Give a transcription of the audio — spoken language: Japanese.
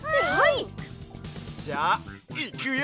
じゃあいくよ！